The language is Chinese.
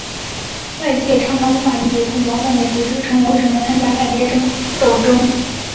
外界常常无法理解更广泛的组织成员为什么参与派别斗争。